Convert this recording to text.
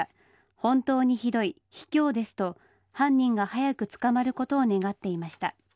本当にひどい、卑怯ですと犯人が早く捕まることを願っていました。